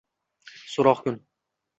So’roq kun?